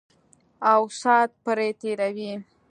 او سات پرې تېروي.